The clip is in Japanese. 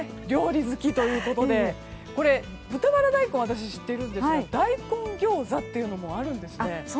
料理好きということでこれ、豚バラ大根は私、知ってるんですが大根ギョーザというのもあるんですね。